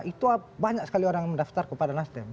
itu banyak sekali orang yang mendaftar kepada nasdem